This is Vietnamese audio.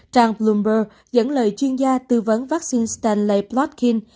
trang bloomberg dẫn lời chuyên gia tư vấn vaccine stanley plotkin